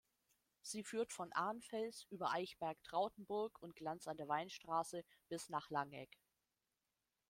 Sie führt von Arnfels über Eichberg-Trautenburg und Glanz an der Weinstraße bis nach Langegg.